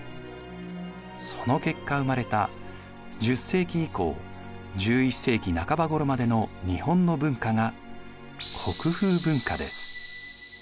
その結果生まれた１０世紀以降１１世紀半ばごろまでの日本の文化が国風文化です。